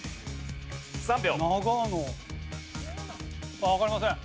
ああわかりません。